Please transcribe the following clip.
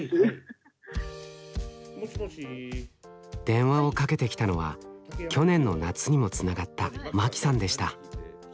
電話をかけてきたのは去年の夏にもつながったまきさんでした。